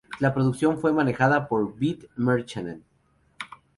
La producción fue manejada por Beat Merchant.